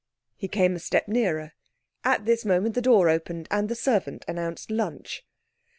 He came a step nearer. At this moment the door opened and the servant announced lunch.